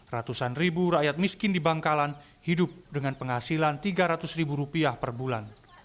ratusan ribu rakyat miskin di bangkalan hidup dengan penghasilan rp tiga ratus ribu rupiah per bulan